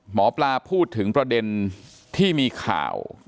หมอปลาพูดถึงประเด็นที่มีข่าว